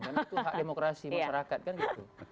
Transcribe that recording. karena itu hak demokrasi masyarakat kan gitu